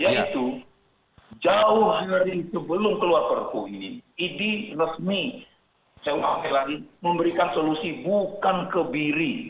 yaitu jauh dari sebelum keluar perku ini idi resmi saya mau ngomongin lagi memberikan solusi bukan kebiri